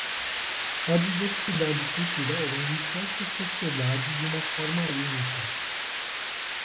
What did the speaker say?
A diversidade cultural enriquece a sociedade de forma única.